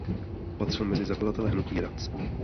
Patřil mezi zakladatele hnutí Rac.